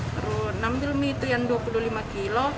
terus ambil mie itu yang dua puluh lima kilo